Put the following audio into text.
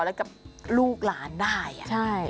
แล้วกับลูกหลานได้เลย